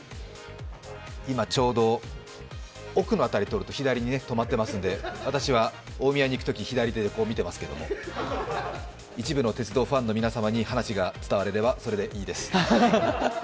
今、ちょうど尾久の辺りを通ると左に止まってますので私は大宮に行くとき左目で見てますけど、一部の鉄道ファンの皆さんに話が伝われば、それでいいです。